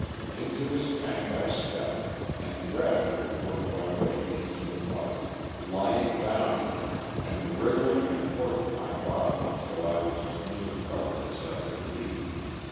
Into this tank I stepped, and gradually worked my way into the mud, lying down in it, and wriggling and working my body until I was as near covered as I could be.